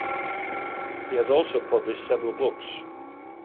He has also published several books.